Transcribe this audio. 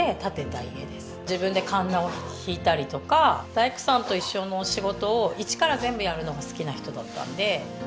自分でかんなを引いたりとか大工さんと一緒の仕事を一から全部やるのが好きな人だったんで。